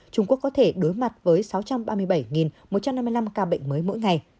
trung quốc có thể đối mặt với sáu trăm ba mươi bảy một trăm năm mươi năm ca bệnh mới mỗi ngày